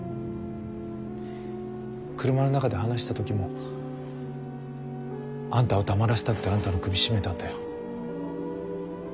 車の中で話した時もあんたを黙らせたくてあんたの首絞めたんだよ。